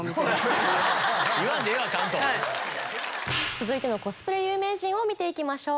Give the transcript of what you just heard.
続いてのコスプレ有名人を見ていきましょう。